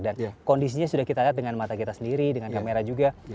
dan kondisinya sudah kita lihat dengan mata kita sendiri dengan kamera juga